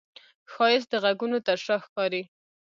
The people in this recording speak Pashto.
ښایست د غږونو تر شا ښکاري